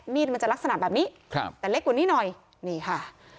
มันจะลักษณะแบบนี้ครับแต่เล็กกว่านี้หน่อยนี่ค่ะ